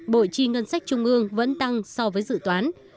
bộ chi ngân sách trung ương vẫn tăng so với dự toán